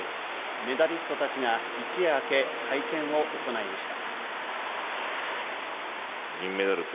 メダリストたちが一夜明け会見を行いました。